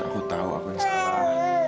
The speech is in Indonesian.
aku tahu apa yang salah